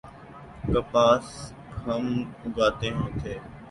کپاس ہم اگاتے تھے۔